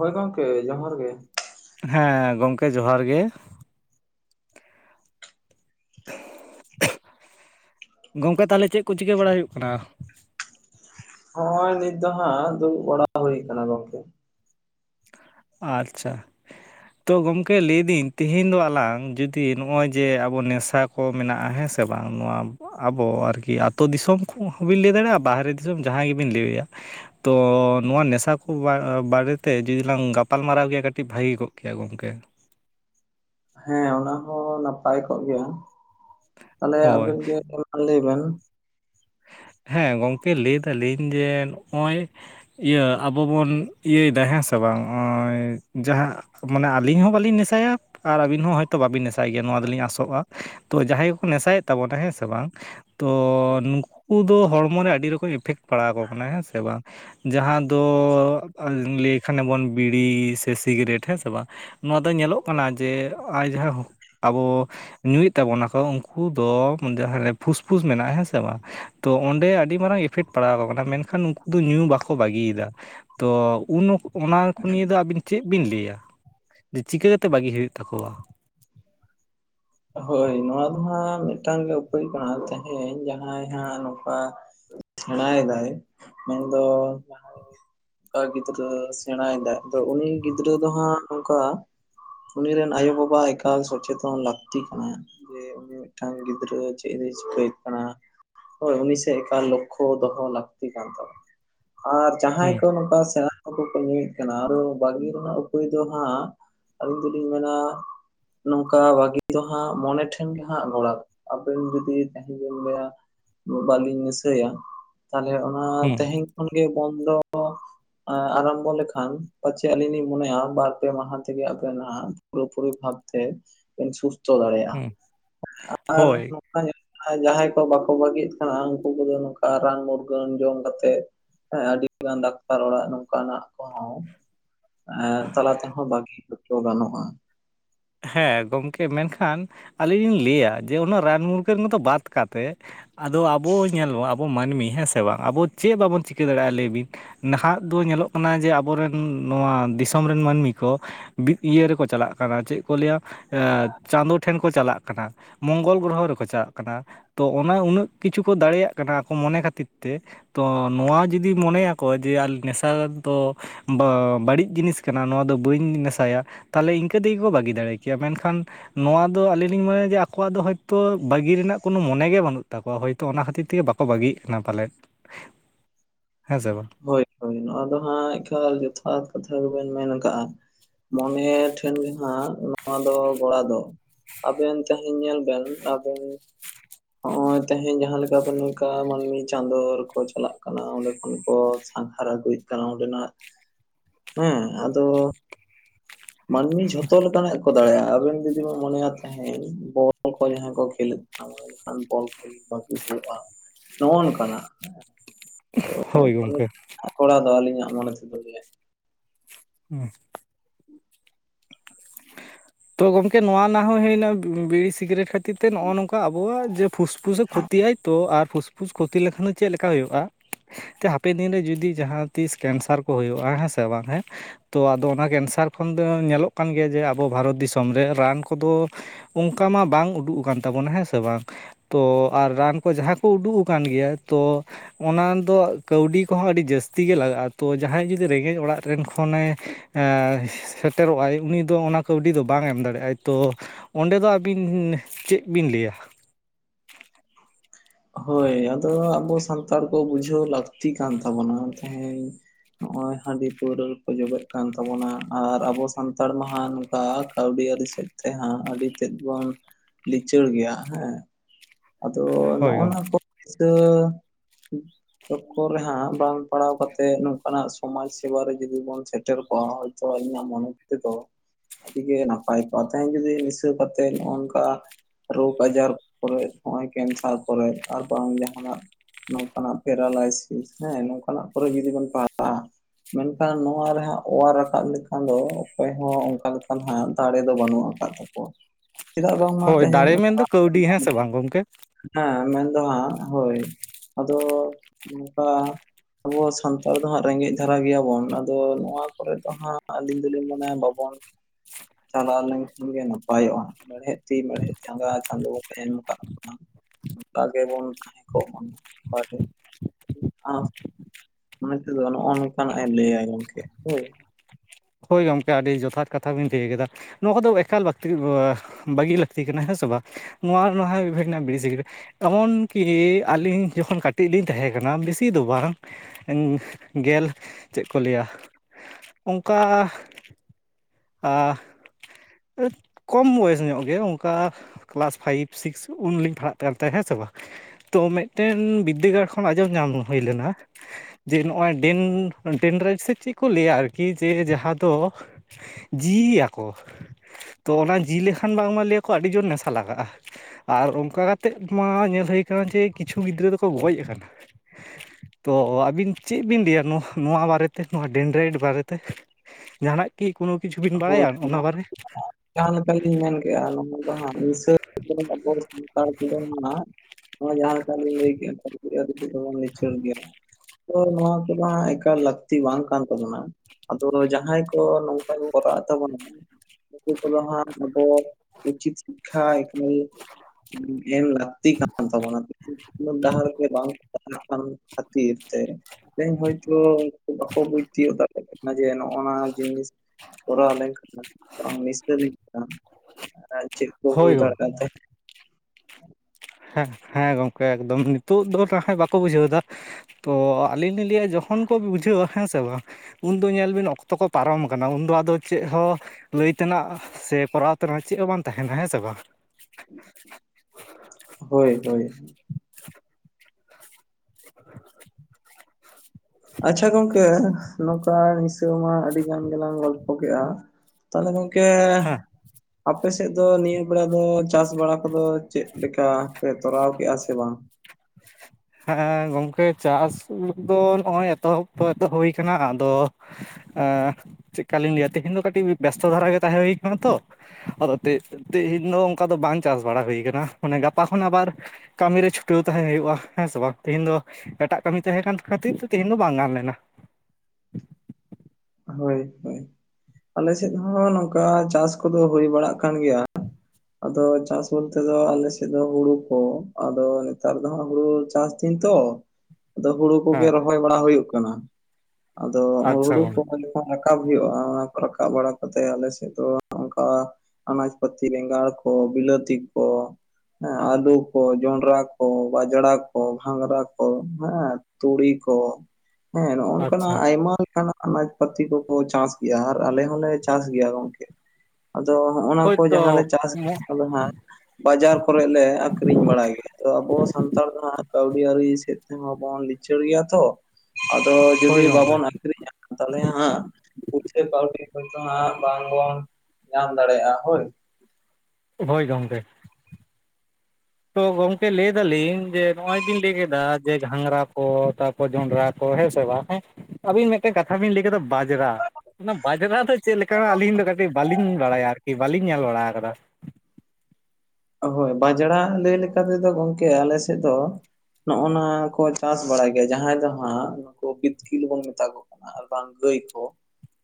ᱦᱳᱭ ᱜᱚᱝᱠᱮ, ᱡᱚᱦᱟᱨ ᱜᱮ᱾ ᱦᱮᱸ ᱜᱚᱝᱠᱮ ᱡᱚᱦᱟᱨ ᱜᱮ᱾ [inaudible] ᱜᱚᱝᱠᱮ ᱛᱟᱦᱚᱞᱮ ᱪᱮᱫ ᱠᱩ ᱪᱤᱠᱟᱹ ᱵᱟᱲᱟ ᱦᱩᱭᱩᱜ ᱠᱟᱱᱟ? ᱦᱚᱜ-ᱚᱭ ᱱᱤᱛ ᱫᱚ ᱦᱟᱸᱜ ᱫᱩᱲᱩᱵ ᱵᱟᱲᱟ ᱦᱩᱭ ᱠᱟᱱᱟ ᱜᱚᱝᱠᱮ᱾ ᱟᱪᱪᱷᱟ᱾ ᱛᱚ ᱜᱚᱝᱠᱮ ᱞᱟᱹᱭᱫᱟᱹᱧ ᱛᱤᱦᱤᱧ ᱫᱚ ᱟᱞᱟᱝ ᱡᱩᱫᱤ ᱱᱚᱜ-ᱚᱭ ᱡᱮ ᱟᱵᱚ ᱱᱮᱥᱟ ᱠᱚ ᱢᱮᱱᱟᱜᱼᱟ ᱦᱮᱸ ᱥᱮ ᱵᱟᱝ ᱱᱚᱣᱟ ᱟᱵᱚ ᱟᱨᱠᱤ ᱟᱹᱛᱳ ᱫᱤᱥᱚᱢ ᱠᱚᱜ-ᱦᱚᱸᱵᱤᱱ ᱞᱟᱹᱭ ᱫᱟᱲᱮᱭᱟᱜ-ᱟ ᱵᱟᱦᱨᱮ ᱫᱤᱥᱚᱢ ᱡᱟᱦᱟᱸᱭ ᱜᱮ ᱵᱤᱱ ᱞᱟᱹᱭ ᱟᱭᱟ᱾ ᱛᱚ ᱱᱚᱣᱟ ᱱᱮᱥᱟ ᱠᱩ ᱵᱟ ᱵᱟᱨᱮᱛᱮ ᱡᱩᱫᱤ ᱞᱟᱝ ᱜᱟᱯᱟᱞᱢᱟᱨᱟᱣ ᱠᱮᱭᱟ ᱠᱟᱹᱴᱤᱡ ᱵᱷᱟᱹᱜᱤ ᱠᱚᱜ ᱠᱮᱭᱟ ᱜᱚᱝᱠᱮ? ᱦᱮᱸ ᱚᱱᱟ ᱦᱚᱸ ᱱᱟᱯᱟᱭ ᱠᱚᱜ ᱜᱮᱭᱟ ᱛᱟᱦᱚᱞᱮ ᱦᱳᱭ ᱟᱵᱮᱱ ᱜᱮ [unintelligible] ᱞᱟᱹᱭ ᱵᱮᱱ᱾ ᱦᱮᱸ ᱜᱚᱝᱠᱮ ᱞᱟᱹᱭ ᱫᱟᱞᱤᱧ ᱡᱮ ᱱᱚᱜ-ᱚᱭ ᱤᱭᱟᱹ ᱟᱵᱚ ᱵᱚᱱ ᱤᱭᱟᱹᱭ ᱮᱫᱟ ᱦᱮᱸ ᱥᱮ ᱵᱟᱝ ᱱᱚᱜᱼᱚᱭ ᱡᱟᱦᱟᱸ ᱢᱟᱱᱮ ᱟᱹᱞᱤᱧ ᱦᱚᱸ ᱵᱟᱹᱞᱤᱧ ᱱᱮᱥᱟᱭᱟ ᱟᱨ ᱟᱹᱵᱤᱱ ᱦᱚᱸ ᱦᱚᱭᱛᱳ ᱵᱟᱹᱵᱤᱱ ᱱᱮᱥᱟᱭ ᱜᱮᱭᱟ ᱱᱚᱣᱟ ᱫᱚᱞᱤᱧ ᱟᱥᱚᱜ-ᱟ᱾ ᱛᱚ ᱡᱟᱦᱟᱸᱭ ᱠᱚᱠᱚ ᱱᱮᱥᱟᱭᱮᱫ ᱛᱟᱵᱚᱱᱟ ᱦᱮᱸ ᱥᱮ ᱵᱟᱝ ᱛᱚ ᱱᱩ ᱩᱱᱠᱩ ᱫᱚ ᱦᱚᱲᱢᱚᱨ ᱨᱮ ᱟᱹᱰᱤ ᱨᱚᱠᱚᱢ ᱤᱯᱷᱮᱠᱴ ᱯᱲᱟᱣ ᱟᱠᱚ ᱠᱟᱱᱟ ᱦᱮᱸ ᱥᱮ ᱵᱟᱝ ᱡᱟᱦᱟᱸ ᱫᱚ ᱞᱟᱹᱭᱠᱷᱟᱱ ᱵᱚᱱ ᱵᱤᱲᱤ ᱥᱮ ᱥᱤᱜᱨᱮᱴ ᱦᱮᱸ ᱥᱮ ᱵᱟᱝ ᱛᱚ ᱱᱚᱣᱟ ᱫᱚ ᱧᱮᱞᱚᱜ ᱠᱟᱱᱟ ᱡᱮ [unintelligible] ᱟᱵᱚ ᱧᱩᱭᱮᱫ ᱛᱟᱵᱚᱱᱟᱠᱚ ᱩᱱᱠᱩ ᱫᱚ ᱡᱟᱦᱟᱸᱨᱮ ᱯᱷᱩᱥᱯᱷᱩᱥ ᱢᱮᱱᱟᱜ-ᱟ ᱦᱮᱸ ᱥᱮ ᱵᱟᱝ? ᱛᱚ ᱚᱸᱰᱮ ᱟᱹᱰᱤ ᱢᱟᱨᱟᱝ ᱮᱯᱷᱮᱠᱴ ᱯᱟᱲᱟᱣ ᱟᱠᱚ ᱠᱟᱱᱟ, ᱢᱮᱱᱠᱷᱟᱱ ᱩᱱᱠᱩ ᱫᱚ ᱧᱩ ᱵᱟᱠᱚ ᱵᱟᱹᱜᱤᱭᱮᱫᱟ᱾ ᱛᱚ ᱩᱱ ᱚᱠ ᱚᱱᱟ ᱠᱩ ᱱᱤᱭᱟᱹ ᱫᱚ ᱟᱵᱤᱱ ᱪᱮᱫ ᱵᱤᱱ ᱞᱟᱹᱭᱟ‌ ᱡᱮ ᱪᱤᱠᱟᱹ ᱠᱟᱛᱮ ᱵᱟᱹᱜᱤ ᱦᱩᱭᱩᱜ ᱛᱟᱠᱚᱣᱟ? ᱦᱳᱭ ᱱᱚᱣᱟ ᱢᱟ ᱢᱤᱫᱴᱟᱝ ᱜᱮ ᱩᱯᱟᱹᱭ ᱠᱟᱱᱟ ᱛᱮᱦᱮᱧ ᱡᱟᱦᱟᱸᱭ ᱦᱟᱸᱜ ᱱᱚᱝᱠᱟ ᱥᱮᱲᱟᱭ ᱮᱫᱟᱭ ᱢᱮᱱᱫᱚ [unintelligible] ᱜᱤᱫᱽᱨᱟᱹ ᱥᱮᱬᱟᱭ ᱮᱫᱟᱭ ᱟᱫᱚ ᱩᱱᱤ ᱜᱤᱫᱽᱨᱟᱹ ᱫᱚ ᱦᱟᱸᱜ ᱚᱱᱠᱟ ᱩᱱᱤ ᱨᱮᱱ ᱟᱭᱳ-ᱵᱟᱵᱟ ᱮᱠᱟᱞ ᱥᱚᱪᱮᱛᱚᱱ ᱞᱟᱹᱠᱛᱤ ᱠᱟᱱᱟᱮ ᱡᱮ ᱢᱤᱫᱴᱟᱝ ᱜᱤᱫᱽᱨᱟᱹ ᱪᱮᱫ ᱨᱮ ᱪᱤᱠᱟᱹᱭᱮᱫ ᱠᱟᱱᱟ᱾ ᱦᱳᱭ ᱩᱱᱤ ᱥᱮᱫ ᱮᱠᱟᱞ ᱞᱚᱠᱠᱷᱚ ᱫᱚᱦᱚ ᱞᱟᱹᱠᱛᱤ ᱠᱟᱱ ᱛᱟᱵᱚᱱᱟ ᱟᱨ ᱡᱟᱦᱟᱸᱭ ᱦᱩᱸ ᱠᱚ ᱱᱚᱝᱠᱟ ᱥᱮᱲᱟ ᱩᱱᱠᱩ ᱠᱚ ᱧᱩᱭᱮᱫ ᱠᱟᱱᱟ, ᱟᱨᱚ ᱵᱟᱹᱜᱤ ᱨᱮᱱᱟᱜ ᱩᱯᱟᱹᱭ ᱫᱚ ᱦᱟᱸᱜ ᱟᱹᱞᱤᱧ ᱫᱚᱞᱤᱧ ᱢᱮᱱᱟ ᱱᱚᱝᱠᱟ ᱵᱟᱹᱜᱤ ᱫᱚ ᱦᱟᱸᱜ ᱢᱚᱱᱮ ᱴᱷᱮᱱ ᱜᱮ ᱦᱟᱸᱜ ᱜᱚᱲᱟ ᱟᱵᱮᱱ ᱡᱩᱫᱤ ᱛᱮᱦᱤᱧ ᱵᱮᱱ ᱞᱟᱹᱭᱟ ᱵᱟᱝᱜᱤᱧ ᱱᱤᱥᱟᱹᱭᱟ ᱛᱟᱦᱞᱮ ᱚᱱᱟ ᱦᱩᱸ ᱛᱮᱦᱮᱧ ᱠᱷᱚᱱᱜᱮ ᱵᱚᱱᱫᱚ ᱟᱨᱟᱢᱵᱚ ᱞᱮᱠᱷᱟᱱ ᱯᱟᱪᱷᱮ ᱟᱹᱞᱤᱧ ᱞᱤᱧ ᱢᱚᱱᱮᱭᱟ ᱵᱟᱨ ᱯᱮ ᱢᱟᱦᱟ ᱛᱮᱜᱮ ᱟᱵᱮᱱ ᱦᱟᱸᱜ ᱯᱩᱨᱟᱹ ᱯᱩᱨᱟᱹ ᱵᱷᱟᱵᱽ ᱛᱮ [unintelligible] ᱥᱩᱥᱛᱷᱚ ᱦᱩᱸ ᱫᱟᱲᱮᱭᱟᱜ-ᱟ᱾ᱟᱨ ᱦᱳᱭ ᱛᱟᱦᱮᱞ ᱟᱨ ᱡᱟᱦᱟᱸᱭ ᱠᱚ ᱵᱟᱠᱚ ᱵᱟᱹᱜᱤᱮᱫ ᱠᱟᱱᱟ ᱩᱱᱠᱩ ᱠᱚᱫᱚ ᱱᱚᱝᱠᱟ ᱨᱟᱱ ᱢᱩᱨᱜᱟᱹᱱ ᱡᱚᱢ ᱠᱟᱛᱮᱫ ᱦᱮᱸ ᱟᱹᱰᱤ ᱜᱟᱱ ᱰᱟᱠᱛᱟᱨ ᱚᱲᱟᱜ ᱱᱚᱝᱠᱟᱱᱟᱜ ᱠᱚᱦᱚᱸ ᱦᱮᱸ ᱛᱟᱞᱟ ᱛᱮᱦᱚᱸ ᱵᱟᱹᱜᱤ ᱦᱚᱪᱚ ᱜᱟᱱᱚᱜᱼᱟ᱾ ᱦᱮᱸ ᱜᱚᱢᱠᱮ ᱢᱮᱱᱠᱷᱟᱱ ᱟᱹᱞᱤᱧ ᱞᱤᱧ ᱞᱟᱹᱭᱟ ᱡᱮ ᱚᱱᱟ ᱨᱟᱱ ᱢᱩᱨᱜᱟᱹᱱ ᱠᱚᱫᱚ ᱵᱟᱫ ᱠᱟᱛᱮᱜ ᱟᱫᱚ ᱟᱵᱚ ᱧᱮᱞᱚᱜ-ᱟ ᱟᱵᱚ ᱢᱟᱹᱱᱢᱤ ᱦᱮᱸ ᱥᱮ ᱵᱟᱝ ᱟᱵᱚ ᱪᱮᱫ ᱵᱟᱵᱚᱱ ᱪᱤᱠᱟᱹ ᱫᱟᱲᱮᱭᱟᱜ-ᱟ ᱞᱟᱹᱭ ᱵᱤᱱ? ᱱᱟᱦᱟᱜ ᱫᱚ ᱧᱮᱞᱚᱜ ᱠᱟᱱᱟ ᱡᱮ ᱟᱵᱚᱨᱮᱱ ᱱᱚᱣᱟ ᱫᱤᱥᱚᱢ ᱢᱟᱹᱱᱢᱤ ᱠᱚ ᱵᱤᱫ ᱤᱭᱟᱹ ᱨᱮᱠᱚ ᱪᱟᱞᱟᱜ ᱠᱟᱱᱟ‌ ᱪᱮᱫ ᱠᱚ ᱞᱟᱹᱭᱟ ᱪᱟᱸᱫᱳ ᱴᱷᱮᱱ ᱠᱚ ᱪᱟᱞᱟᱜ ᱠᱟᱱᱟ᱾ ᱢᱚᱝᱜᱚᱞ ᱜᱨᱚᱦᱚ ᱨᱮᱠᱚ ᱪᱟᱞᱟᱜ ᱠᱟᱱᱟ ᱛᱚ ᱚᱱᱟ ᱩᱱᱟᱹᱜ ᱠᱤᱪᱷᱩ ᱠᱚ ᱫᱟᱲᱮᱭᱟᱜ ᱠᱟᱱᱟ ᱟᱠᱚ ᱢᱚᱱᱮ ᱠᱷᱟᱹᱛᱤᱨ ᱛᱮ ᱛᱚ ᱱᱚᱣᱟ ᱡᱩᱫᱤ ᱢᱚᱱᱮᱭᱟᱠᱚ ᱡᱮ ᱟᱞᱮ ᱱᱮᱥᱟ ᱫᱚ ᱵᱟ ᱵᱟᱹᱲᱤᱡ ᱡᱤᱱᱤᱥ ᱠᱟᱱᱟ ᱱᱚᱣᱟ ᱫᱚ ᱵᱟᱹᱧ ᱱᱮᱥᱟᱭᱟ ᱛᱟᱦᱞᱮ ᱤᱱᱠᱟᱹ ᱛᱮᱜᱮ ᱠᱚ ᱵᱟᱹᱜᱤ ᱫᱟᱲᱮ ᱠᱮᱭᱟ ᱢᱮᱱᱠᱷᱟᱱ ᱱᱚᱣᱟ ᱫᱚ ᱟᱹᱞᱤᱧ ᱞᱤᱧ ᱢᱚᱱᱮᱭᱟ ᱡᱮ ᱟᱠᱚᱣᱟᱜ ᱫᱚ ᱦᱚᱭᱛᱚ ᱵᱟᱹᱜᱤ ᱨᱮᱱᱟᱜ ᱠᱳᱱᱳ ᱢᱚᱱᱮ ᱜᱮ ᱵᱟᱹᱱᱩᱜ ᱛᱟᱠᱚᱣᱟ ᱦᱚᱭ ᱛᱚ ᱚᱱᱟ ᱠᱷᱟᱹᱛᱤᱨ ᱛᱮᱜᱮ ᱵᱟᱠᱚ ᱵᱟᱹᱜᱤᱭᱮᱫ ᱠᱟᱱᱟ ᱯᱟᱞᱮᱫ‌ ᱦᱮᱸ ᱥᱮ ᱵᱟᱝ? ᱦᱳᱭ ᱦᱳᱭ ᱱᱚᱣᱟ ᱫᱚ ᱦᱟᱸᱜ ᱮᱠᱟᱞ ᱡᱚᱛᱷᱟᱛ ᱠᱟᱛᱷᱟ ᱜᱮᱵᱮᱱ ᱢᱮᱱ ᱠᱟᱜᱼᱟ ᱾ ᱢᱚᱱᱮ ᱴᱷᱮᱱ ᱜᱮᱦᱟᱸᱜ ᱱᱚᱣᱟ ᱫᱚ ᱜᱚᱲᱟ ᱫᱚ᱾ ᱟᱵᱮᱱ ᱪᱟᱦᱮᱧ ᱧᱮᱞ ᱵᱮᱱ ᱟᱵᱮᱱ ᱦᱚᱸᱜᱚᱭ ᱛᱮᱦᱮᱧ ᱡᱟᱸᱦᱟ ᱞᱮᱠᱟ ᱱᱤᱝᱠᱟ ᱢᱟᱹᱱᱢᱤ ᱪᱟᱸᱫᱳ ᱨᱮ ᱠᱚ ᱪᱟᱞᱟᱜ ᱠᱟᱱᱟ ᱚᱸᱰᱮ ᱠᱷᱚᱱ ᱠᱚ ᱥᱟᱺᱜᱷᱟᱨ ᱟᱹᱜᱩᱭᱫᱟ ᱚᱸᱰᱮᱱᱟᱜ ᱦᱮᱸ ᱟᱫᱚ ᱢᱟᱹᱱᱢᱤ ᱡᱷᱚᱛᱚ ᱞᱮᱠᱟᱱᱟᱜ ᱠᱚ ᱫᱟᱲᱮᱜᱼᱟ, ᱟᱵᱮᱱ ᱡᱩᱫᱤ ᱵᱤᱱ ᱢᱚᱱᱮᱭᱟ ᱛᱟᱸᱦᱮᱧ ᱵᱚᱞ ᱠᱚ ᱡᱟᱦᱟᱸ ᱠᱚ ᱠᱷᱮᱞᱚᱜ ᱢᱚᱱᱮ ᱞᱮᱠᱷᱟᱱ ᱵᱚᱞ ᱠᱷᱮᱞ ᱠᱚ ᱵᱟᱹᱜᱤ ᱦᱩᱭᱩᱜᱼᱟ, ᱱᱚᱸᱜᱚ ᱱᱚᱝᱠᱟᱱᱟᱜ ᱦᱳᱭ ᱜᱚᱢᱠᱮ [inaudible] ᱟᱠᱚ ᱚᱲᱟᱜ ᱫᱚ ᱟᱹᱞᱤᱧᱟᱜ ᱢᱚᱱᱮ ᱛᱮᱫᱚᱭ ᱞᱟᱹᱭᱟ ᱾ ᱦᱩᱸ ᱛᱚ ᱜᱚᱝᱠᱮ ᱱᱚᱣᱟ ᱱᱟᱜ ᱦᱚᱸ ᱦᱮᱭᱱᱟ ᱵᱤᱲᱤ, ᱥᱤᱠᱨᱮᱴ ᱠᱷᱟᱹᱛᱤᱨ ᱛᱤᱨ ᱛᱮ ᱱᱚᱜᱼᱚ ᱱᱚᱝᱠᱟ ᱟᱵᱚᱣᱟᱜ ᱡᱮ ᱯᱷᱩᱥ ᱯᱷᱩᱥ ᱮ ᱠᱷᱚᱛᱤᱼᱭᱟ ᱛᱚ ᱟᱨ ᱯᱷᱩᱥ ᱯᱷᱩᱥ ᱠᱷᱚᱛᱤ ᱞᱮᱠᱷᱟᱱ ᱫᱚ ᱪᱮᱫ ᱞᱮᱠᱟ ᱦᱳᱭᱳᱜᱼᱟ ᱾ ᱛᱮ ᱦᱟᱯᱮᱱ ᱫᱤᱱ ᱨᱮ ᱡᱩᱫᱤ ᱡᱟᱦᱟᱸ ᱛᱤᱥ ᱠᱮᱱᱥᱟᱨ ᱠᱚ ᱦᱩᱭᱩᱜᱼᱟ ᱦᱮᱸ ᱥᱮ ᱵᱟᱝ ᱦᱮᱸ? ᱛᱚ ᱟᱫᱚ ᱚᱱᱟ ᱠᱮᱱᱥᱟᱨ ᱠᱷᱚᱱ ᱫᱚ ᱧᱮᱞᱚᱜ ᱠᱟᱱ ᱜᱮᱭᱟ ᱡᱮ ᱡᱮ ᱟᱵᱚ ᱵᱷᱟᱨᱚᱛ ᱫᱤᱥᱚᱢ ᱨᱮ ᱨᱟᱱ ᱠᱚᱫᱚ ᱚᱱᱠᱟ ᱢᱟ ᱵᱟᱝ ᱩᱰᱩᱠ ᱠᱟᱱ ᱛᱟᱵᱚᱱᱟ ᱦᱮᱸ ᱥᱮ ᱵᱟᱝ? ᱛᱚ ᱟᱨ ᱨᱟᱱ ᱠᱚ ᱡᱟᱸᱦᱟ ᱠᱚ ᱩᱰᱩᱠ ᱟᱠᱟᱱ ᱜᱮᱭᱟ ᱛᱚ ᱚᱱᱟ ᱫᱚ ᱠᱟᱹᱣᱰᱤ ᱠᱚᱸᱦᱚ ᱟᱹᱰᱤ ᱡᱟᱹᱥᱛᱤ ᱜᱮ ᱞᱟᱜᱟᱜᱼᱟ, ᱛᱚ ᱡᱟᱦᱟᱸᱭ ᱡᱩᱫᱤ ᱨᱮᱸᱜᱮᱡ ᱚᱲᱟᱜ ᱨᱮᱱ ᱠᱷᱚᱱ ᱮ ᱮᱸ ᱥᱮᱴᱮᱨᱚᱜᱼᱟᱭ ᱩᱱᱤ ᱫᱚ ᱚᱱᱟ ᱠᱟᱹᱣᱰᱤ ᱫᱚ ᱵᱟᱝ ᱮᱢ ᱫᱟᱲᱮᱜᱼᱟᱭ ᱛᱚ ᱚᱸᱰᱮ ᱫᱚ ᱟᱹᱵᱤᱱ ᱪᱮᱫ ᱵᱤᱱ ᱞᱟᱹᱭᱟ? [inaudible] ᱦᱳᱭ ᱟᱫᱚ ᱟᱵᱚ ᱥᱟᱱᱛᱟᱲ ᱠᱚ ᱵᱩᱡᱷᱟᱹᱣ ᱞᱟᱹᱠᱛᱤ ᱠᱟᱱ ᱛᱟᱵᱚᱱᱟ ᱛᱮᱸᱦᱤᱧ ᱾ ᱱᱚᱸᱜᱼᱚᱭ ᱦᱟᱺᱰᱤ ᱯᱟᱹᱣᱨᱟᱹ ᱨᱮᱠᱚ ᱡᱚᱵᱮᱜ ᱠᱟᱱ ᱛᱟᱵᱚᱱᱟ ᱟᱨ ᱟᱵᱚ ᱥᱟᱱᱛᱟᱲ ᱢᱟᱦᱟ ᱱᱚᱝᱠᱟ ᱠᱟᱹᱣᱰᱤ ᱟᱹᱨᱤ ᱥᱮᱫ ᱛᱮ ᱦᱟᱸᱜ ᱟᱹᱰᱤ ᱛᱮᱫ ᱵᱚᱱ ᱞᱤᱪᱟᱹᱲ ᱜᱮᱭᱟ ᱦᱮᱸ ᱾ ᱟᱫᱚ ᱦᱳᱭ ᱱᱚᱜᱼᱚ ᱱᱟ ᱜᱚᱝᱠᱮ ᱠᱚ ᱫᱤᱥᱟᱹ ᱪᱚᱠᱠᱚᱨ ᱨᱮ ᱦᱟᱸᱜ ᱵᱟᱝ ᱯᱟᱲᱟᱣ ᱠᱟᱛᱮᱫ ᱱᱚᱝᱠᱟᱱᱟᱜ ᱥᱚᱢᱟᱡᱽ ᱥᱮᱵᱟ ᱨᱮ ᱡᱩᱫᱤ ᱵᱚᱱ ᱥᱮᱴᱮᱨ ᱠᱚᱜᱼᱟ ᱾ ᱛᱚ ᱟᱹᱞᱤᱧᱟᱜ ᱢᱚᱱᱮ ᱛᱮᱫᱚ ᱛᱤᱜᱮ ᱱᱟᱯᱟᱭ ᱠᱚᱜᱼᱟ ᱛᱮᱸᱦᱮᱧ ᱡᱩᱫᱤ ᱢᱤᱥᱟᱹ ᱠᱟᱛᱮ ᱱᱚᱸᱜᱚ ᱱᱚᱝᱠᱟ ᱼᱼ ᱨᱳᱜᱽ ᱟᱡᱟᱨ ᱠᱚᱨᱮᱫ ᱦᱚᱜᱼᱚᱭ ᱠᱮᱱᱥᱟᱨ ᱠᱚᱨᱮᱫ ᱟᱨ ᱵᱟᱝ ᱡᱟᱸᱦᱟᱱᱟᱜ ᱱᱚᱝᱠᱟᱱᱟᱜ ᱯᱮᱨᱟᱞᱟᱭᱥᱤᱥ ᱦᱮᱸ ᱱᱚᱝᱠᱟᱱᱟᱜ ᱠᱚᱨᱮ ᱡᱩᱫᱤ ᱵᱚᱱ ᱯᱟᱲᱦᱟᱜᱼᱟ ᱾ ᱢᱮᱱᱠᱷᱟᱱ ᱱᱚᱣᱟ ᱨᱮ ᱦᱟᱸᱜ ᱚᱣᱟᱨ ᱨᱟᱠᱟᱵ ᱞᱮᱠᱷᱟᱱ ᱫᱚ ᱚᱠᱚᱭ ᱦᱚᱸ ᱚᱱᱠᱟ ᱞᱮᱠᱟ ᱦᱟᱸᱜ ᱫᱟᱲᱮ ᱫᱚ ᱵᱟᱹᱱᱩᱜ ᱟᱠᱟᱫ-ᱟ ᱦᱳᱭ ᱫᱟᱲᱮ ᱢᱮᱱᱫᱚ ᱠᱟᱹᱣᱰᱤ ᱦᱮᱸ ᱥᱮ ᱵᱟᱝ ᱜᱚᱝᱠᱮ? ᱦᱮᱸ ᱢᱮᱱ ᱫᱚ ᱦᱟᱸᱜ ᱦᱳᱭ ᱟᱫᱚ ᱱᱚᱝᱠᱟ ᱟᱵᱚ ᱥᱟᱱᱛᱟᱲ ᱫᱚ ᱦᱟᱸᱜ ᱨᱮᱸᱜᱮᱡ ᱫᱷᱟᱨᱟ ᱜᱮᱭᱟᱵᱚᱱ ᱟᱫᱚ ᱱᱚᱣᱟ ᱠᱚᱨᱮ ᱫᱚ ᱦᱟᱸᱜ ᱟᱹᱞᱤᱧ ᱫᱚᱞᱤᱧ ᱢᱚᱱᱮᱭᱟ ᱵᱟᱵᱚᱱ [inaudible] ᱪᱟᱞᱟᱣ ᱞᱮᱱᱠᱷᱟᱱ ᱜᱮ ᱱᱟᱯᱟᱭᱚᱜᱼᱟ, ᱢᱮᱲᱦᱮᱫ ᱛᱤ ᱢᱮᱲᱦᱮᱫ ᱡᱟᱸᱜᱟ ᱪᱟᱸᱫᱳ ᱵᱚᱸᱜᱟ ᱮᱢ ᱠᱟᱜ ᱢᱟ ᱚᱝᱠᱟ ᱜᱮᱵᱚᱱ ᱛᱟᱸᱦᱮ ᱠᱚᱜ ᱢᱟ ᱵᱟᱨᱮ ᱾ ᱟᱥ ᱢᱟᱭ ᱛᱮᱫᱚ ᱱᱚᱜᱼᱚ ᱱᱚᱝᱠᱟᱱᱟᱜᱼ ᱮ ᱞᱟᱹᱭᱟ ᱜᱚᱝᱠᱮ ᱦᱳᱭ ᱾ ᱦᱳᱭ ᱜᱚᱝᱠᱮ ᱟᱹᱰᱤ ᱡᱚᱛᱷᱟᱛ ᱠᱟᱛᱷᱟ ᱵᱤᱱ ᱞᱟᱹᱭ ᱠᱮᱫᱟ ᱾ ᱱᱚᱣᱟ ᱫᱚ ᱮᱠᱟᱞ ᱞᱟᱠᱛᱤ ᱵᱟᱠᱛᱤ ᱵᱟᱹᱜᱤ ᱞᱟᱹᱠᱛᱤ ᱠᱟᱱᱟ ᱦᱮᱸ ᱥᱮ ᱵᱟᱝ ᱱᱚᱣᱟ ᱵᱷᱤᱠᱱᱟ ᱵᱤᱨᱤ ᱥᱮᱠᱨᱮᱴ ᱾ ᱮᱢᱚᱱ ᱠᱤ ᱟᱹᱞᱤᱧ ᱡᱚᱠᱷᱚᱱ ᱠᱟᱹᱴᱤᱡ ᱞᱤᱧ ᱛᱟᱸᱦᱮ ᱠᱟᱱᱟ ᱵᱮᱥᱤ ᱫᱚ ᱵᱟᱝ ᱾ ᱜᱮᱞ ᱪᱮᱫ ᱠᱚ ᱞᱟᱹᱭ-ᱟ ᱠᱟ ᱟᱻ ᱠᱚᱢ ᱵᱚᱭᱮᱥ ᱧᱚᱜ ᱜᱮ ᱝᱠᱟ ᱠᱞᱟᱥ ᱯᱷᱟᱭᱤᱵᱽ ᱥᱤᱠᱥ ᱩᱱ ᱞᱤᱧ ᱯᱟᱲᱦᱟᱜ ᱠᱟᱱ ᱛᱟᱸᱦᱮᱡ ᱦᱮᱸ ᱥᱮ ᱛᱚ ᱢᱤᱫᱴᱮᱱ ᱵᱤᱫᱽᱫᱟᱹᱜᱟᱲ ᱠᱷᱚᱱ ᱟᱸᱡᱚᱢ ᱧᱟᱢ ᱦᱩᱭ ᱞᱮᱱᱟ ᱾ ᱡᱮ ᱱᱚᱜᱼᱚᱭ ᱰᱮᱱ ᱰᱮᱱ ᱥᱮ ᱪᱮᱫ ᱠᱚ ᱞᱟᱹᱭ-ᱟ ᱟᱨᱠᱤ ᱡᱮ ᱡᱟᱦᱟᱸ ᱫᱚ ᱡᱤ ᱟᱠᱚ ᱾ ᱛᱚ ᱚᱱᱟ ᱡᱤ ᱞᱮᱠᱷᱟᱱ ᱵᱟᱝᱢᱟ ᱞᱟᱹᱭ ᱟᱠᱚ ᱟᱹᱰᱤ ᱡᱳᱨ ᱱᱮᱥᱟ ᱞᱟᱜᱟᱜᱼᱟ᱾ ᱟᱨ ᱚᱱᱠᱟ ᱠᱟᱛᱮᱫ ᱢᱟ ᱧᱮᱞ ᱦᱩᱭ ᱠᱟᱱᱟ ᱡᱮ ᱠᱤᱪᱷᱩ ᱜᱤᱫᱽᱨᱟᱹ ᱫᱚᱠᱚ ᱜᱚᱡ ᱟᱠᱟᱱᱟ ᱾ ᱛᱚ ᱟᱵᱤᱱ ᱪᱮᱫ ᱵᱤᱱ ᱞᱟᱹᱭᱟ ᱱᱚᱣᱟ, ᱱᱚᱣᱟ ᱵᱟᱨᱮᱛᱮ ᱱᱚᱣᱟ ᱰᱮᱱᱰᱨᱟᱭᱮᱰ ᱵᱟᱨᱮᱛᱮ? ᱡᱟᱦᱟᱱᱟᱜ ᱠᱤ ᱠᱳᱱᱳ ᱠᱤᱪᱷᱩ ᱵᱤᱱ ᱵᱟᱲᱟᱭᱟ ᱦᱳᱭ ᱚᱱᱟ ᱱᱚᱣᱟ ᱵᱟᱨᱮ? ᱡᱟᱦᱟᱸ ᱞᱮᱠᱟᱞᱤᱧ ᱢᱮᱱ ᱠᱮᱜᱼᱟ ᱱᱚᱣᱟ ᱫᱚ ᱦᱟᱸᱜ ᱱᱤᱥᱟᱹ ᱡᱮᱢᱚᱱ ᱟᱵᱚ ᱥᱟᱱᱛᱟᱲ ᱠᱚᱫᱚ ᱦᱟᱸᱜ ᱾ ᱱᱚᱣᱟ ᱡᱟᱦᱟᱸ ᱞᱮᱠᱟ ᱞᱤᱧ ᱞᱟᱹᱭ ᱠᱮᱜᱼᱟ, ᱛᱟᱨᱯᱚᱨᱮ ᱟᱰᱤ ᱡᱩᱨ ᱵᱚᱱ ᱞᱤᱪᱟᱹᱲ ᱜᱮᱭᱟ ᱾ ᱦᱚᱭ ᱱᱚᱣᱟ ᱠᱚᱢᱟ ᱮᱠᱟᱞ ᱞᱟᱹᱠᱛᱤ ᱵᱟᱝ ᱠᱟᱱ ᱛᱟᱵᱚᱱᱟ, ᱟᱫᱚ ᱡᱟᱦᱟᱸᱭ ᱠᱚ ᱱᱚᱝᱠᱟ ᱡᱮ ᱠᱚᱨᱟᱣ ᱛᱟᱵᱚᱱᱟ ᱛᱚ ᱱᱩᱠᱩ ᱠᱚᱫᱚ ᱩᱪᱤᱛ ᱥᱤᱠᱷᱟ ᱮᱢ ᱞᱟᱹᱠᱛᱤ ᱠᱟᱱ ᱛᱟᱵᱚᱱᱟ ᱥᱮ ᱥᱤᱠᱷᱟᱹᱱᱟᱹᱛ ᱰᱟᱦᱟᱨ ᱜᱮ ᱵᱟᱝ [unintelligible] ᱠᱟᱱ ᱠᱷᱟᱹᱛᱤᱨ ᱛᱮ ᱛᱮᱦᱮᱧ ᱦᱚᱭᱛᱳ ᱩᱱᱠᱩ ᱵᱟᱠᱚ ᱵᱩᱡᱽ ᱛᱤᱭᱳᱜ ᱫᱟᱲᱮ ᱚᱱᱟ ᱡᱮ ᱱᱚᱜᱼᱚ ᱱᱚᱣᱟ ᱡᱤᱱᱤᱥ ᱠᱚᱨᱟᱣ ᱞᱮᱱᱠᱷᱟᱱ ᱱᱤᱥᱟᱹ ᱞᱮᱱ ᱠᱦᱟᱱ ᱪᱮᱫ ᱠᱚ ᱦᱳᱭ ᱦᱩᱭ ᱜᱚᱢᱠᱮ ᱫᱟᱲᱮᱭᱟᱜ ᱦᱮᱸ ᱦᱮᱸ ᱜᱚᱢᱠᱮ ᱮᱠᱫᱚᱢ ᱱᱤᱛᱚ ᱫᱚ ᱛᱟᱦᱚᱞᱮ ᱵᱟᱠᱚ ᱵᱩᱡᱷᱟᱹᱣ ᱮᱫᱟ᱾ ᱛᱚ ᱟᱹᱞᱤᱧ ᱞᱤᱧ ᱞᱟᱹᱭᱟ ᱡᱚᱠᱷᱚᱱ ᱠᱚ ᱵᱩᱡᱷᱟᱹᱣᱟ ᱦᱮᱸ ᱥᱮ ᱵᱟᱝ᱾ ᱩᱱᱫᱚ ᱧᱮᱞ ᱵᱤᱱ ᱚᱠᱛᱚ ᱠᱚ ᱯᱟᱨᱚᱢ ᱠᱟᱱᱟ ᱩᱱᱫᱚ ᱟᱫᱚ ᱪᱮᱫ ᱦᱚᱸ ᱞᱟᱹᱭ ᱛᱮᱱᱟᱜ ᱥᱮ ᱠᱚᱨᱟᱣ ᱛᱮᱱᱟᱜ ᱪᱮᱫ ᱦᱚᱸ ᱵᱟᱝ ᱛᱟᱦᱮᱱᱟ ᱦᱮᱸ ᱥᱮ ᱵᱟᱝ ᱾ ᱦᱳᱭ ᱦᱳᱭ᱾ [unintelligible] ᱟᱪᱪᱷᱟ ᱜᱚᱢᱠᱮ ᱱᱚᱝᱠᱟ ᱱᱤᱥᱟᱹ ᱢᱟ ᱟᱹᱰᱤ ᱜᱟᱱ ᱜᱮᱞᱟᱝ ᱜᱚᱞᱯᱷᱚ ᱠᱮᱫᱮᱜᱼᱟ ᱾ ᱛᱟᱦᱚᱞᱮ ᱜᱚᱢᱠᱮ ᱦᱮᱸ ᱟᱯᱮ ᱥᱮᱫ ᱫᱚ ᱱᱤᱭᱟᱹ ᱵᱮᱲᱟ ᱫᱚ ᱪᱟᱥ ᱵᱟᱲᱟ ᱠᱚᱫᱚ ᱪᱮᱫ ᱞᱮᱠᱟ? ᱯᱮ ᱛᱚᱨᱟᱣ ᱠᱮᱜᱼᱟ ᱥᱮ ᱵᱟᱝ? [unintelligible] ᱦᱮᱸ ᱜᱚᱢᱠᱮ ᱪᱟᱥ ᱫᱚ ᱱᱚᱜᱼᱚᱭ ᱮᱛᱚᱦᱚᱵ ᱫᱚ ᱮᱛᱚᱦᱚᱵ ᱦᱩᱭ ᱟᱠᱟᱱᱟ, ᱟᱫᱚ ᱮᱸ ᱪᱮᱫ ᱠᱟᱞᱤᱧ ᱞᱟᱹᱭᱟ ᱛᱮᱦᱮᱧ ᱫᱚ ᱠᱟᱹᱴᱤᱡ ᱵᱮᱥᱛᱚ ᱫᱷᱟᱨᱟ ᱜᱮ ᱛᱟᱦᱮᱸ ᱦᱩᱭ ᱠᱟᱱᱟ ᱛᱚ ᱾ ᱟᱫᱚ ᱛᱮᱦᱮᱧ ᱫᱚ ᱚᱱᱠᱟ ᱫᱚ ᱵᱟᱝ ᱪᱟᱥ ᱵᱟᱲᱟ ᱦᱩᱭ ᱟᱠᱟᱱᱟ ᱢᱟᱱᱮ ᱜᱟᱯᱟ ᱠᱷᱚᱱ ᱟᱵᱟᱨ ᱠᱟᱹᱢᱤᱨᱮ ᱪᱷᱩᱴᱟᱹᱣ ᱛᱟᱦᱮ ᱦᱩᱭᱩᱜᱼᱟ ᱦᱮᱸ ᱥᱮ ᱵᱟᱝ ᱛᱮᱤᱦᱤᱧ ᱫᱚ ᱮᱴᱟᱜ ᱠᱟᱹᱢᱤ ᱛᱟᱦᱮᱸ ᱠᱟᱱ ᱠᱷᱟᱹᱛᱤᱨ ᱛᱮᱦᱮᱧ ᱫᱚ ᱵᱟᱝ ᱜᱟᱱ ᱞᱮᱱᱟ ᱾ ᱦᱳᱭ ᱦᱳᱭ ᱟᱞᱮ ᱥᱮᱫ ᱦᱚᱸ ᱱᱚᱝᱠᱟ ᱪᱟᱥ ᱠᱚᱫᱚ ᱦᱩᱭ ᱵᱟᱲᱟᱜ ᱠᱟᱱ ᱜᱮᱭᱟ ᱾ ᱟᱫᱚ ᱪᱟᱥ ᱵᱚᱞᱛᱮ ᱫᱚ ᱟᱞᱮ ᱥᱮᱫ ᱫᱚ ᱦᱩᱲᱩ ᱠᱚ ᱟᱫᱚ ᱱᱮᱛᱟᱨ ᱫᱚ ᱦᱟᱸᱜ ᱦᱩᱲᱩ ᱪᱟᱥ ᱫᱤᱱ ᱛᱚ ᱾ [unintelligible] ᱟᱫᱚ ᱦᱩᱲᱩ ᱠᱚᱜᱮ ᱦᱮᱸ ᱨᱚᱦᱚᱭ ᱵᱟᱲᱟ ᱦᱩᱭᱩᱜ ᱠᱟᱱᱟ ᱟᱫᱚ ᱟᱪᱪᱷᱟ ᱦᱩᱲᱩ ᱜᱚᱝᱠᱮ ᱠᱚᱦᱚᱸ ᱞᱮ ᱦᱚᱸ ᱨᱟᱠᱟᱵ ᱦᱩᱭᱩᱜᱼᱟ, ᱚᱱᱟ ᱠᱚ ᱨᱟᱠᱟᱵ ᱵᱟᱲᱟ ᱠᱟᱛᱮ ᱟᱞᱮ ᱥᱮᱫ ᱫᱚ ᱚᱱᱠᱟ ᱟᱱᱟᱡᱽ ᱯᱟᱹᱛᱤ ᱵᱮᱸᱜᱟᱲ ᱠᱚ ᱵᱤᱞᱟᱹᱛᱤ ᱠᱚ ᱦᱮᱸ ᱟᱞᱩ ᱠᱚ ᱡᱚᱱᱰᱨᱟ ᱠᱚ ᱵᱟᱡᱽᱲᱟ ᱠᱚ ᱜᱷᱟᱜᱽᱨᱟ ᱠᱚ ᱦᱮᱸ ᱛᱩᱲᱤ ᱠᱚ ᱦᱮᱸ ᱱᱚᱝᱠᱟ ᱟᱪᱪᱷᱟ ᱱᱟᱜ ᱟᱭᱢᱟ ᱞᱮᱠᱟ ᱱᱟᱜ ᱟᱱᱟᱡ ᱯᱟᱹᱛᱤ ᱠᱚᱠᱚ ᱪᱟᱥ ᱜᱮᱭᱟ, ᱟᱨ ᱟᱞᱮ ᱦᱚᱸᱞᱮ ᱪᱟᱥ ᱜᱮᱭᱟ ᱜᱚᱝᱠᱮ ᱾ ᱟᱫᱚ ᱦᱚᱸᱜ ᱚᱱᱟ ᱠᱚ ᱦᱳᱭᱛᱚ ᱡᱟᱦᱟᱸ ᱞᱮ ᱪᱟᱥ ᱫᱚ ᱦᱟᱸᱜ ᱵᱟᱡᱟᱨ ᱠᱚᱨᱮ ᱞᱮ ᱟᱠᱷᱨᱤᱧ ᱵᱟᱲᱟᱭ ᱜᱮᱭᱟ ᱾ ᱟᱵᱚ ᱥᱟᱱᱛᱟᱲ ᱫᱚ ᱦᱟᱸᱜ ᱠᱟᱹᱣᱰᱤ ᱟᱹᱨᱤ ᱥᱮᱫ ᱛᱮᱦᱚᱸ ᱵᱚᱱ ᱞᱤᱪᱟᱹᱲ ᱜᱮᱭᱟ ᱛᱚ, ᱟᱫᱚ ᱦᱳᱭ ᱡᱩᱫᱤ ᱜᱚᱝᱠᱮ ᱵᱟᱵᱚᱱ ᱟᱹᱷᱨᱤᱧᱟ ᱛᱟᱦᱚᱞᱮ ᱦᱟᱸᱜ ᱯᱩᱭᱥᱟᱹ ᱠᱟᱹᱣᱰᱤ ᱠᱚᱫᱚ ᱦᱟᱸᱜ ᱵᱟᱝ ᱵᱚᱱ ᱧᱟᱢ ᱫᱟᱲᱮᱭᱟᱜᱼᱟ ᱦᱳᱭ ᱾ ᱦᱚᱭ ᱜᱚᱢᱠᱮ ᱾ ᱛᱚ ᱜᱚᱝᱠᱮ ᱞᱟᱹᱭ ᱫᱟᱞᱤᱧ ᱡᱮ ᱱᱚᱜᱚᱭ ᱵᱤᱱ ᱞᱟᱹᱭ ᱠᱮᱫᱟ ᱡᱮ ᱜᱷᱟᱝᱨᱟ ᱠᱚ ᱛᱟ ᱯᱚᱨ ᱡᱚᱱᱰᱨᱟ ᱠᱚ ᱦᱮᱸ ᱥᱮ ᱵᱟᱝ ᱦᱮᱸ ᱟᱵᱤᱱ ᱢᱤᱫᱴᱮᱱ ᱠᱟᱛᱷᱟ ᱵᱤᱱ ᱞᱟᱹᱭ ᱠᱮᱫᱟ ᱵᱟᱡᱽᱨᱟ ᱚᱱᱟ ᱵᱟᱡᱽᱨᱟ ᱫᱚ ᱪᱮᱫ ᱞᱮᱠᱟᱱᱟ ᱟᱹᱞᱤᱧ ᱫᱚ ᱠᱟᱹᱴᱤᱡ ᱵᱟᱞᱤᱧ ᱵᱟᱲᱟᱭᱟ ᱟᱨᱠᱤ ᱵᱟᱞᱤᱧ ᱧᱮᱞ ᱵᱟᱲᱟ ᱟᱠᱟᱫᱟ? ᱦᱳᱭ ᱵᱟᱡᱽᱲᱟ ᱞᱟᱹᱭ ᱞᱮᱠᱟ ᱛᱮᱫᱚ ᱜᱚᱝᱠᱮ ᱟᱞᱮ ᱥᱮᱫ ᱫᱚ ᱱᱚᱜᱼᱚ ᱱᱟ ᱠᱚ ᱪᱟᱥ ᱵᱟᱲᱟᱭ ᱜᱮᱭᱟ ᱡᱟᱦᱟᱸᱭ ᱫᱚ ᱦᱟᱸᱜ ᱱᱩᱠᱩ ᱵᱤᱛᱠᱤᱞ ᱵᱚᱱ ᱢᱮᱛᱟ ᱠᱚ ᱠᱟᱱᱟ ᱾ ᱟᱨ ᱵᱟᱝ ᱜᱟᱹᱭ ᱠᱚ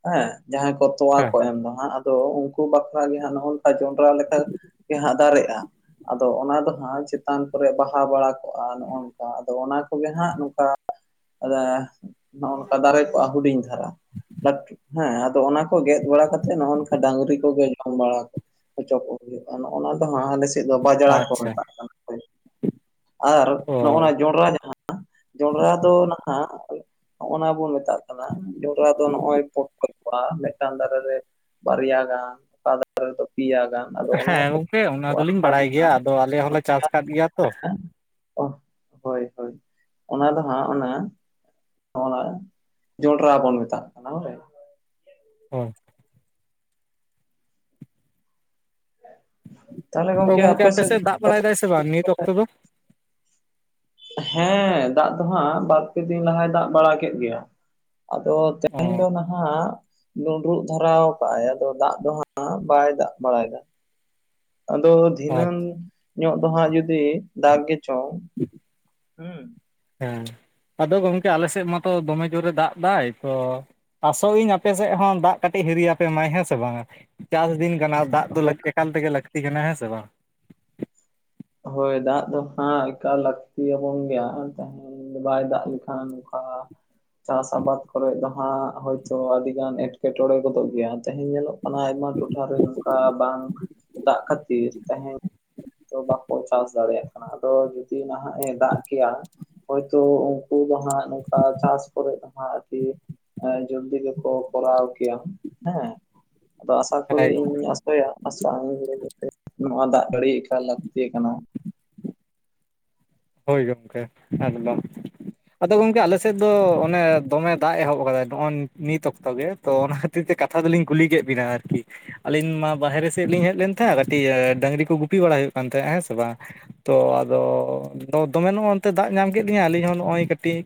ᱦᱮᱸ, ᱡᱟᱦᱟᱸᱭ ᱠᱚ ᱛᱚᱣᱟ ᱦᱮᱸ ᱠᱚ ᱮᱢ ᱫᱟ ᱦᱟᱸᱜ ᱾ ᱫᱚ ᱩᱱᱠᱩ ᱵᱟᱠᱷᱨᱟ ᱜᱮ ᱦᱟᱸᱜ ᱱᱚᱜ-ᱚᱝᱠᱟ ᱡᱚᱸᱰᱨᱟ ᱞᱮᱠᱟ ᱜᱮ ᱦᱟᱸᱜ ᱫᱟᱨᱮᱜᱼᱟ ᱾ ᱟᱫᱚ ᱚᱱᱟ ᱫᱚ ᱦᱟᱸᱜ ᱪᱮᱛᱟᱱ ᱠᱚᱨᱮ ᱵᱟᱦᱟ ᱵᱟᱲᱟ ᱠᱚᱜᱼᱟ ᱱᱚᱜᱼᱚ ᱱᱚᱝᱠᱟ ᱟᱫᱚ ᱚᱱᱟ ᱠᱚᱜᱮ ᱦᱟᱸᱜ ᱱᱚᱝᱠᱟ ᱚᱱᱮ ᱱᱚᱜᱼᱚ ᱱᱚᱝᱠᱟ ᱫᱟᱨᱮ ᱠᱚᱜᱼᱟ ᱦᱩᱰᱤᱧ ᱫᱷᱟᱨᱟ, ᱞᱟᱴ ᱦᱮᱸ ᱟᱫᱚ ᱚᱱᱟ ᱠᱚ ᱜᱮᱫ ᱵᱟᱲᱟ ᱠᱟᱛᱮᱜ ᱱᱚᱜ ᱱᱚᱝᱠᱟ ᱰᱟᱝᱨᱤ ᱠᱚᱜᱮ ᱡᱚᱢ ᱵᱟᱲᱟ ᱠᱚ ᱦᱚᱪᱚ ᱠᱚ ᱦᱩᱭᱩᱜᱼᱟ ᱾ ᱱᱚᱜ-ᱚᱱᱟ ᱫᱚ ᱟᱞᱮ ᱥᱮᱫ ᱫᱚ ᱵᱟᱡᱽᱲᱟ ᱠᱚ ᱟᱪᱪᱷᱟ ᱢᱮᱛᱟᱜ ᱠᱟᱱ ᱛᱟᱦᱮᱸᱱ, ᱟᱨ ᱚ ᱱᱚᱜ-ᱚᱱᱟ ᱡᱚᱸᱱᱰᱨᱟ ᱡᱟᱦᱟᱸ ᱡᱚᱸᱱᱰᱨᱟ ᱫᱚ ᱱᱟᱦᱟᱜ ᱱᱚᱜ ᱱᱟ ᱵᱚᱱ ᱢᱮᱛᱟᱜ ᱠᱟᱱᱟ ᱡᱚᱸᱰᱨᱟ ᱫᱚ ᱱᱚᱜᱼᱚᱭ ᱯᱚᱴᱠᱚᱡ ᱠᱚᱜ-ᱟ ᱢᱮᱫᱴᱟᱝ ᱫᱟᱨᱮ ᱨᱮ ᱵᱟᱨᱭᱟ ᱜᱟᱱ, ᱚᱠᱟ ᱫᱟᱨᱮ ᱨᱮᱫᱚ ᱯᱮᱭᱟ ᱜᱟᱱ ᱟᱫᱚ ᱚᱱᱟ ᱠᱚ ᱜᱚᱝᱠᱮ ᱦᱮᱸ ᱚᱱᱟ ᱫᱚᱞᱤᱧ ᱵᱟᱲᱟᱭ ᱜᱮᱭᱟ, ᱟᱫᱚ ᱟᱞᱮ ᱦᱚᱞᱮ ᱪᱟᱥ ᱠᱟᱫ ᱜᱮᱭᱟ ᱛᱚ ᱾ ᱚ ᱦᱳᱭ ᱦᱳᱭ, ᱚᱱᱟ ᱫᱚ ᱦᱟᱸᱜ ᱚᱱᱟ ᱚᱱᱟ ᱡᱚᱸᱱᱰᱨᱟ ᱵᱚᱱ ᱢᱮᱛᱟᱜ ᱠᱟᱱᱟ ᱦᱳᱭ ᱾ ᱦᱳᱭ ᱾ ᱛᱚ ᱜᱚᱝᱠᱮ ᱟᱯᱮ ᱥᱮᱫ ᱫᱟᱜ ᱵᱟᱲᱟᱭ ᱫᱟᱭ ᱥᱮ ᱵᱟᱝ ᱱᱤᱛ ᱚᱠᱛᱚ ᱫᱚ? ᱦᱮᱸ ᱫᱟᱜ ᱫᱚ ᱦᱟᱸᱜ ᱵᱟᱨᱯᱮ ᱫᱤᱱ ᱞᱟᱦᱟᱭ ᱫᱟᱜ ᱵᱟᱲᱟ ᱠᱮᱫ ᱜᱮᱭᱟ ᱟᱫᱚ ᱚ ᱛᱮᱦᱮᱧ ᱾ ᱫᱚ ᱱᱟᱦᱟᱜ ᱰᱩᱸᱰᱨᱩᱜ ᱫᱷᱟᱨᱟᱣ ᱠᱟᱫ ᱟᱭ ᱟᱫᱚ ᱫᱟᱜ ᱫᱚ ᱦᱟᱸᱜ ᱵᱟᱭ ᱫᱟᱜ ᱵᱟᱲᱟᱭ ᱫᱟ ᱾ ᱟᱫᱚ ᱟᱪ ᱫᱷᱤᱱᱟᱹᱝ ᱧᱚᱜ ᱫᱚ ᱦᱟᱸᱜ ᱡᱩᱫᱤ ᱫᱟᱜ ᱜᱮ ᱪᱚᱝ, ᱦᱩᱸ ᱾ ᱦᱮᱸ ᱟᱫᱚ ᱜᱚᱝᱠᱮ ᱟᱞᱮ ᱥᱮᱫ ᱢᱟᱛᱚ ᱫᱚᱢᱮ ᱡᱳᱨᱮ ᱫᱟᱜ ᱫᱟᱭ, ᱛᱚ ᱟᱥᱚᱜ ᱤᱧ ᱟᱯᱮ ᱥᱮᱫ ᱦᱚᱸ ᱫᱟᱜ ᱠᱟᱹᱴᱤᱡ ᱦᱤᱨᱤ ᱟᱯᱮ ᱢᱟᱭ ᱦᱮᱸ ᱥᱮ ᱵᱟᱝᱟ ᱾ ᱪᱟᱥ ᱫᱤᱱ ᱠᱟᱱᱟ ᱫᱟᱜ ᱫᱚ ᱦᱳᱭ ᱞᱟᱹᱠ ᱮᱠᱟᱞ ᱛᱮᱜᱮ ᱞᱟᱹᱠᱛᱤ ᱠᱟᱱᱟ ᱦᱮᱸ ᱥᱮ ᱵᱟᱝ? ᱦᱳᱭ ᱫᱟᱜ ᱫᱚ ᱦᱟᱸᱜ ᱮᱠᱟᱞ ᱞᱟᱹᱠᱛᱤ ᱭᱟᱵᱚᱱ ᱜᱮᱭᱟ [unintelligible] ᱛᱟᱦᱮᱸ ᱾ ᱵᱟᱭ ᱫᱟᱜ ᱞᱮᱠᱷᱟᱱ ᱱᱚᱝᱠᱟ ᱪᱟᱥ ᱟᱵᱟᱫᱽ ᱠᱚᱨᱮ ᱫᱚ ᱦᱟᱸᱜ ᱦᱳᱭᱛᱳ ᱟᱹᱰᱤ ᱜᱟᱱ ᱮᱴᱠᱮᱴᱚᱬᱮ ᱜᱚᱫᱚᱜ ᱜᱮᱭᱟ ᱛᱮᱦᱮᱧ ᱧᱮᱞᱚᱜ ᱢᱟᱱᱮ ᱟᱭᱢᱟ ᱴᱚᱴᱷᱟᱨᱮ ᱱᱚᱝᱠᱟ ᱵᱟᱝ ᱫᱟᱜ ᱠᱷᱟᱹᱛᱤᱨ ᱛᱮᱦᱮᱧ [unintelligible] ᱪᱟᱥ ᱫᱟᱲᱮᱭᱟᱜ ᱠᱟᱱᱟ ᱟᱫᱚ ᱡᱩᱫᱤ ᱱᱟᱦᱟᱜ ᱮ ᱫᱟᱜ ᱠᱮᱜᱣᱟ ᱦᱚᱭᱛᱳ ᱩᱱᱠᱩ ᱫᱚ ᱦᱟᱸᱜ ᱱᱚᱠᱟ ᱪᱟᱥ ᱠᱚᱨᱮᱜ ᱫᱚ ᱦᱟᱸᱜ [unintelligible] ᱡᱚᱞᱫᱤ ᱜᱮ ᱠᱚ ᱠᱚᱨᱟᱣ ᱠᱮᱭᱟ ᱦᱮᱸ ᱾ ᱟᱫᱚ ᱟᱥᱟ ᱠᱚᱨᱤ ᱦᱮᱸ ᱤᱧᱤᱧ ᱟᱥᱟᱭᱟ ᱟᱥᱟ [unintelligible] ᱠᱟᱛᱮ ᱱᱚᱣᱟ ᱫᱟᱜ ᱡᱟᱹᱲᱤ ᱮᱠᱟᱞ ᱞᱟᱠ ᱛᱮ ᱜᱮ ᱠᱟᱱᱟ ᱾ ᱦᱳᱭ ᱜᱚᱝᱠᱮ ᱮᱠᱫᱚᱢ [unintelligible] ᱾ ᱟᱫᱚ ᱜᱚᱝᱠᱮ ᱟᱞᱮ ᱥᱮᱫ ᱫᱚ ᱚᱱᱮ ᱫᱚᱢᱮ ᱫᱟᱜ ᱮᱦᱚᱵ ᱠᱟᱫᱟᱭ ᱱᱚᱜ-ᱚᱭ ᱱᱤᱛ ᱚᱠᱛᱚ ᱜᱮ ᱾ ᱛᱚ ᱚᱱᱟ ᱠᱷᱟᱹᱛᱤᱨ ᱛᱮ ᱠᱟᱛᱷᱟ ᱫᱚᱞᱤᱧ ᱠᱩᱞᱤ ᱠᱮᱫ ᱵᱤᱱᱟ ᱟᱨᱠᱤ ᱾ ᱟᱹᱞᱤᱧ ᱢᱟ ᱵᱟᱦᱨᱮ ᱥᱮᱫ ᱞᱤᱧ ᱦᱮᱡ ᱞᱮᱱ ᱛᱟᱦᱮᱸᱫ ᱠᱟᱹᱴᱤᱡ ᱰᱟᱹᱝᱨᱤ ᱠᱚ ᱵᱟᱲᱟᱭ ᱦᱩᱭᱩᱜ ᱠᱟᱱ ᱛᱟᱦᱮᱸᱫ ᱦᱮᱸᱥᱮ ᱵᱟᱝ ᱾ ᱛᱚ ᱟᱫᱚ ᱫᱚᱢᱮ ᱱᱚᱜ-ᱚᱱᱛᱮ ᱫᱟᱜ ᱧᱟᱢ ᱠᱮᱫ ᱞᱤᱧᱟ ᱟᱹᱞᱤᱧ ᱦᱚᱸ ᱱᱚᱜᱚᱭ ᱠᱟᱹᱴᱤᱡ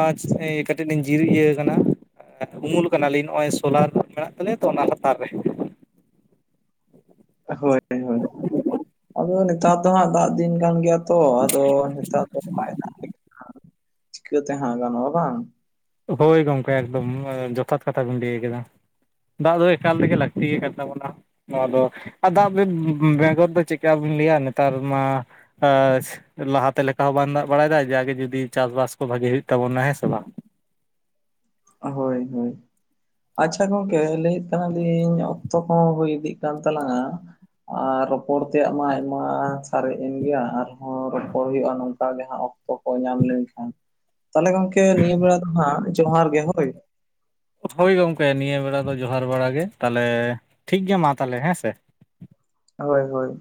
ᱟᱸᱪ ᱮᱸ ᱠᱟᱹᱴᱤᱡ ᱞᱤᱧ ᱡᱤᱨᱤᱟᱹᱣ ᱠᱟᱱᱟ ᱾ ᱩᱢᱩᱞ ᱠᱟᱱᱟᱞᱤᱧ ᱱᱚᱜᱼᱚᱭ ᱥᱳᱞᱟᱨ ᱢᱮᱱᱟᱜ ᱛᱟᱞᱮᱭᱟ ᱛᱚ ᱚᱱᱟ ᱞᱟᱛᱟᱨ ᱨᱮ ᱾ ᱦᱳᱭ ᱦᱳᱭ, ᱟᱫᱚ ᱱᱮᱛᱟᱨ ᱫᱚ ᱦᱟᱸᱜ ᱫᱟᱜ ᱫᱤᱱ ᱠᱟᱱ ᱜᱮᱭᱟ ᱛᱚ ᱟᱫᱚ ᱱᱮᱛᱟᱨ ᱫᱚ ᱵᱟᱭ ᱫᱟᱜ ᱞᱮᱠᱷᱟᱱ ᱪᱤᱠᱟᱹ ᱛᱮ ᱦᱟᱸᱜ ᱜᱟᱱᱚᱜᱼᱟ ᱵᱟᱝ ᱾ ᱦᱳᱭ ᱜᱚᱢᱠᱮ ᱮᱠᱫᱚᱢ ᱡᱚᱛᱷᱟᱛ ᱠᱟᱛᱷᱟ ᱵᱤᱱ ᱞᱟᱹᱭ ᱠᱟᱫᱟ ᱾ ᱫᱟᱜ ᱫᱚ ᱮᱠᱟᱞ ᱛᱮᱜᱮ ᱞᱟᱹᱠᱛᱤ ᱟᱠᱟᱱ ᱛᱟᱵᱚᱱᱟ ᱾ ᱟᱫᱚ ᱫᱟᱜ ᱵᱮ ᱵᱮᱜᱚᱨ ᱫᱚ ᱪᱮᱫᱠᱟ ᱵᱤᱱ ᱞᱟᱹᱭᱟ ᱱᱮᱛᱟᱨ ᱢᱟ ᱟ ᱥᱤ ᱞᱟᱦᱟᱛᱮ ᱞᱮᱠᱟ ᱦᱚᱸ ᱵᱟᱱ ᱫᱟᱜ ᱵᱟᱲᱟᱭᱮᱫᱟᱭ, ᱡᱟᱜᱮ ᱡᱩᱫᱤ ᱪᱟᱥᱵᱟᱥ ᱠᱚ ᱵᱷᱟᱜᱤ ᱦᱩᱭᱩᱜ ᱛᱟᱵᱚᱱᱟ, ᱦᱮᱸ ᱥᱮ ᱵᱟᱝ? ᱦᱳᱭ, ᱦᱳᱭ ᱾ ᱟᱪᱪᱷᱟ ᱜᱚᱝᱠᱮ, ᱞᱟᱹᱭᱮᱫ ᱛᱟᱦᱮᱸᱞᱤᱧ, ᱚᱠᱛᱚ ᱠᱚᱦᱚᱸ ᱦᱩᱭ ᱤᱫᱤᱜ ᱠᱟᱱ ᱛᱟᱞᱟᱝᱼᱟ ᱟᱨ ᱨᱚᱯᱚᱲ ᱛᱮᱭᱟᱜ ᱢᱟ ᱟᱭᱢᱟ ᱥᱟᱨᱮᱡ ᱮᱱ ᱜᱮᱭᱟ, ᱟᱨᱦᱚᱸ ᱨᱚᱯᱚᱲ ᱦᱩᱭᱩᱜᱼᱟ ᱱᱚᱝᱠᱟ ᱜᱮ ᱦᱟᱸᱜ ᱚᱠ -ᱛᱚ ᱠᱚ ᱧᱟᱢ ᱞᱮᱱᱠᱷᱟᱱ, ᱛᱟᱦᱚᱞᱮ ᱜᱚᱝᱠᱮ ᱱᱤᱭᱟᱹ ᱵᱮᱲᱟ ᱫᱚ ᱦᱟᱸᱜ, ᱡᱚᱦᱟᱨ ᱜᱮ ᱦᱳᱭ ᱾ ᱦᱳᱭ ᱜᱚᱝᱠᱮ, ᱱᱤᱭᱟᱹ ᱵᱮᱲᱟ ᱫᱚ ᱡᱚᱦᱟᱨ ᱵᱟᱲᱟ ᱜᱮ, ᱛᱟᱦᱚᱸᱞᱮ ᱴᱷᱤᱠ ᱜᱮᱭᱟ ᱢᱟ ᱛᱟᱦᱚᱸᱞᱮ ᱦᱮᱸ ᱥᱮ᱾ ᱦᱳᱭ, ᱦᱳᱭ,